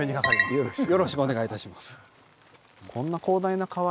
よろしくお願いします。